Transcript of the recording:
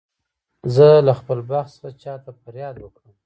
زه له خپل بخت څخه چا ته فریاد وکړم.